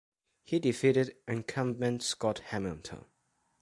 He defeated incumbent Scott Hamilton.